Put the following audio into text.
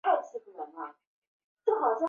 乖，很快就没事了